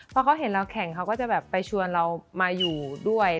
พอเขาเห็นเราแข่งเขาก็จะแบบไปชวนเรามาอยู่ด้วย